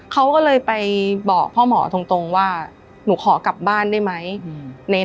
เขาก็เลยไปบอกพ่อหมอตรงว่าหนูขอกลับบ้านได้ไหม